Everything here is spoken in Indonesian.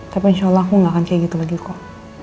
tapi insya allah aku gak akan kayak gitu lagi kok